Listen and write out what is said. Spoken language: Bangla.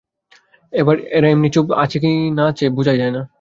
এরা এমনি চুপ, আছে কি না-আছে বোঝাই যায় না।